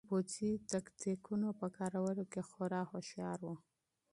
هغه د پوځي تکتیکونو په کارولو کې خورا هوښیار و.